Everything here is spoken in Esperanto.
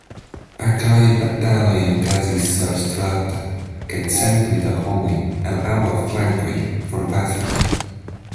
Akraj bataloj okazis surstrate, kaj centoj da homoj el ambaŭ flankoj forpasis.